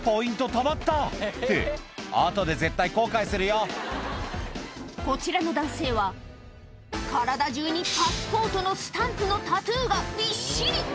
たまった」って後で絶対後悔するよこちらの男性は体中にのタトゥーがびっしり！